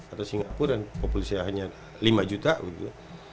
atau singapura yang populasinya hanya lima juta gitu